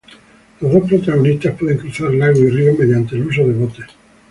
Los dos protagonistas pueden cruzar lagos y ríos mediante el uso de botes.